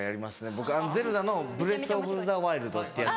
僕『ゼルダ』の『ブレスオブザワイルド』っていうやつ。